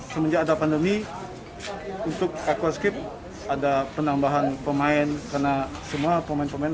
semenjak ada pandemi untuk aquascape ada penambahan pemain karena semua pemain pemain